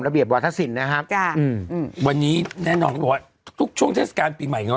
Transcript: ระเบียบวัฒนศิลป์นะครับจ้าอืมอืมวันนี้แน่นอนว่าทุกช่วงเทสการปีใหม่เนอะ